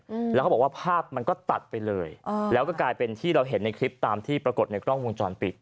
อืมแล้วเขาบอกว่าภาพมันก็ตัดไปเลยอ่าแล้วก็กลายเป็นที่เราเห็นในคลิปตามที่ปรากฏในกล้องวงจรปิด